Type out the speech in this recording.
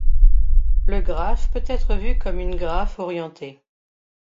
Le graphe peut être vu comme une graphe orienté.